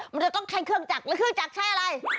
มันจะต้องใช้เครื่องจักรหรือเครื่องจักรใช้อะไร